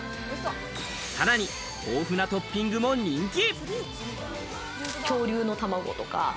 さらに豊富なトッピングも人気。